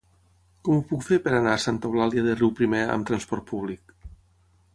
Com ho puc fer per anar a Santa Eulàlia de Riuprimer amb trasport públic?